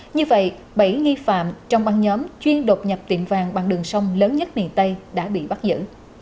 như vậy bảy nghi phạm trong băng nhóm chuyên đột nhập tiệm vàng bằng đường sông lớn nhất miền tây đã bị bắt giữ